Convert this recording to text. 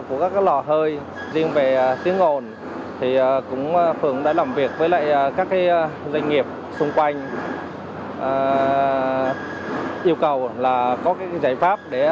của các cái lò hơi riêng về tiếng ồn thì cũng phường đã làm việc với lại các cái doanh nghiệp